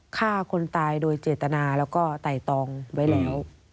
ฆ่าคนตายโดยเจตนาแล้วก็ไต่ตองไว้แล้ว